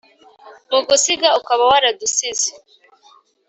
mu gusiga ukaba waradusize